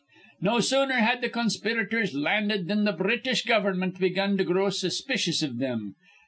"No sooner had th' conspirators landed thin th' British gover'mint begun to grow suspicious iv thim.